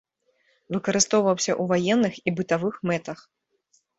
Выкарыстоўваўся ў ваенных і бытавых мэтах.